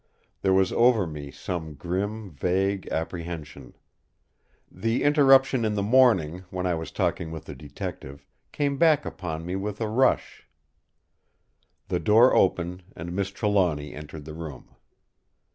There was over me some grim, vague apprehension. The interruption in the morning, when I was talking with the Detective, came back upon me with a rush. The door opened, and Miss Trelawny entered the room.